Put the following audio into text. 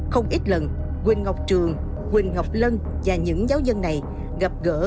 không ít lần quỳnh ngọc trường quỳnh ngọc lân và những giáo dân này gặp gỡ